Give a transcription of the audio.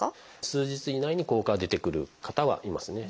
数日以内に効果が出てくる方はいますね。